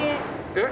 えっ？